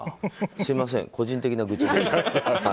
すみません、個人的な愚痴です。